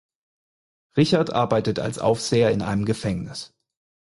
Richard arbeitet als Aufseher in einem Gefängnis.